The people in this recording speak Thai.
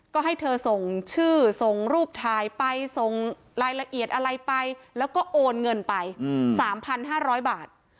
ก็ให้เธอส่งชื่อส่งรูปถ่ายไปส่งรายละเอียดอะไรไปแล้วก็โอนเงินไป๓๕๐๐บาท